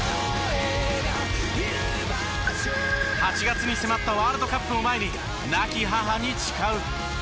８月に迫ったワールドカップを前に亡き母に誓う。